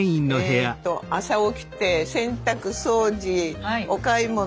えと朝起きて洗濯掃除お買い物。